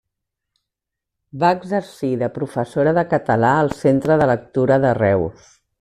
Va exercir de professora de català al Centre de Lectura de Reus.